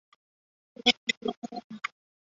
进行性脊肌萎缩仅由脊髓前角细胞变性所致。